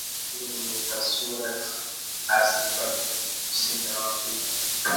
Hii ni taswira hasi kwa wahusika wa kike